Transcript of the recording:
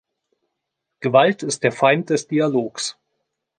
Gewalt ist der Feind des Dialogs.